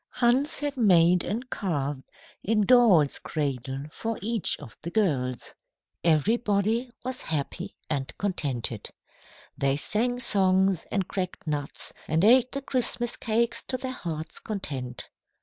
Hans had made and carved a doll's cradle for each of the girls. Everybody was happy and contented. They sang songs and cracked nuts and ate the Christmas cakes to their hearts' content.